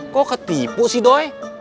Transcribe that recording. kok ketipu sih doi